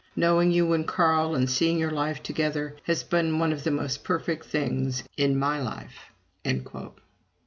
Knowing you and Carl, and seeing your life together, has been one of the most perfect things in my life."